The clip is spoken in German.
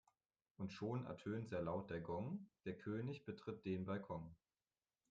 Und schon ertönt sehr laut der Gong, der König betritt den Balkon.